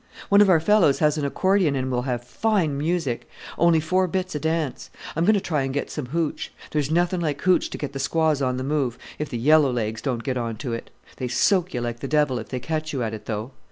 One of our fellows has an accordion, and we'll have fine music. Only four bits a dance. I'm going to try and get some hootch. There's nothing like hootch to get the squaws on the move if the yellow legs don't get on to it. They soak you like the devil if they catch you at it, though.